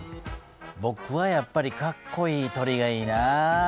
ぼくはやっぱりかっこいい鳥がいいな。